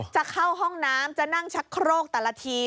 จะเข้าห้องน้ำจะนั่งชักโครกแต่ละที